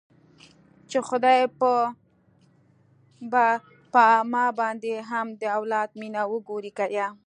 چې خداى به په ما باندې هم د اولاد مينه وګوري که يه.